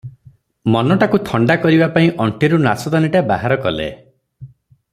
ମନଟାକୁ ଥଣ୍ଡା କରିବା ପାଇଁ ଅଣ୍ଟିରୁ ନାଶଦାନିଟା ବାହାର କଲେ ।